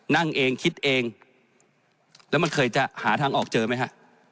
นั่งเองคิดเองแล้วมันเคยจะหาทางออกเจอไหมฮะ